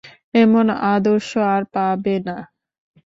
এমন আদর্শ আর পাবে না।